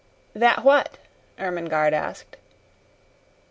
"That what?" Ermengarde asked.